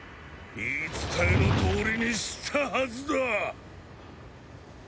言い伝えのとおりにしたはずだ！